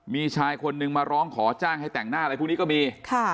มีชายคนนึงมาร้องขอจ้างให้แต่งหน้าอะไรพวกนี้ก็มี